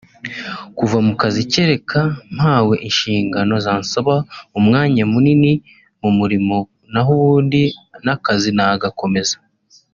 kuva mu kazi kereka mpawe inshingano zansaba umwanya munini mu murimo naho ubundi n’akazi nagakomeza